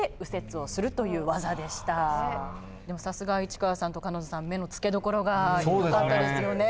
でもさすが市川さんと角野さん目の付けどころがよかったですよね。